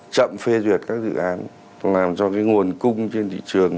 chậm phê duyệt các dự án làm cho cái nguồn cung trên thị trường